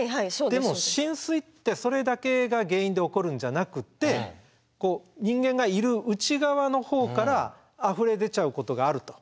でも浸水ってそれだけが原因で起こるんじゃなくって人間がいる内側の方からあふれ出ちゃうことがあると。